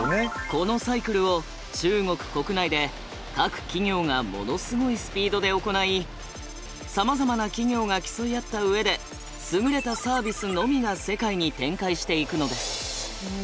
このサイクルを中国国内で各企業がものすごいスピードで行いさまざまな企業が競い合った上で優れたサービスのみが世界に展開していくのです。